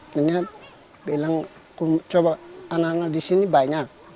dia bilang coba anak anak di sini banyak